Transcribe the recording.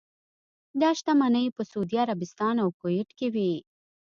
دا شتمنۍ په سعودي عربستان او کویټ کې وې.